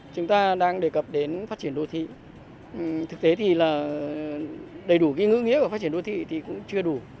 chúng ta đang đề cập đến phát triển đô thị thực tế thì là đầy đủ cái ngữ nghĩa của phát triển đô thị thì cũng chưa đủ